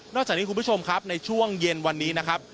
จากนี้คุณผู้ชมครับในช่วงเย็นวันนี้นะครับ